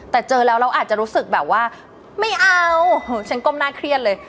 แต่เจอแล้วเราอาจจะรู้สึกแบบว่าไม่เอาฉันก้มหน้าเครียดเลย